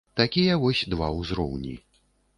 Такія вось два ўзроўні.